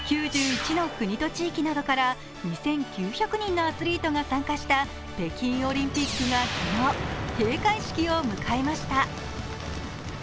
９１の国と地域などから２９００人のアスリートが参加した北京オリンピックが昨日、閉会式を迎えました。